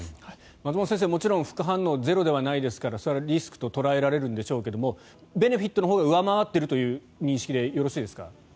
松本先生、もちろん副反応はゼロじゃないですからそれはリスクと捉えられるんでしょうがベネフィットのほうが上回っているという認識でよろしいですか？